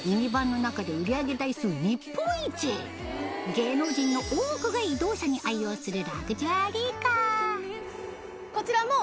芸能人の多くが移動車に愛用するラグジュアリーカーへぇ。